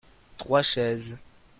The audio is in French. Trois chaises.